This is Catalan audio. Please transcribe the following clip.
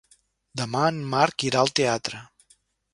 Demà en Marc irà al teatre.